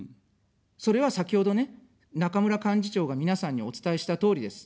それは先ほどね、中村幹事長が皆さんにお伝えしたとおりです。